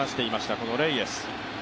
このレイエス。